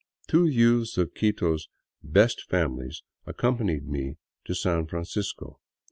Two youths of Quito's " best families " accompanied me to San Francisco.